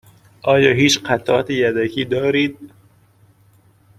آیا هیچ قطعات یدکی دارید؟